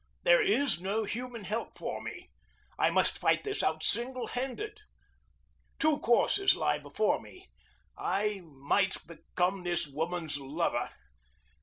There is no human help for me; I must fight this out single handed. Two courses lie before me. I might become this woman's lover.